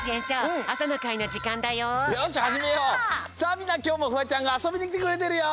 みんなきょうもフワちゃんがあそびにきてくれてるよ！